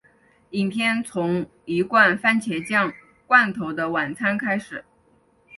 影片从一罐蕃茄酱罐头的晚餐开始。